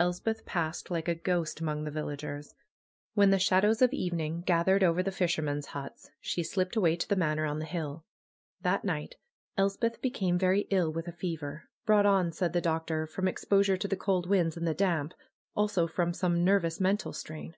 Elspeth passed like a ghost among the villagers. When the shadows of evening gathered over the fisher men's huts she slipped away to the Manor on the hill. That night Elspeth became very ill with a fever; brought on, said the doctor, "from exposure to the cold winds and the damp; also from some nervous mental strain."